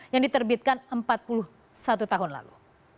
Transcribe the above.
yang diterbitkan empat puluh satu tahun lalu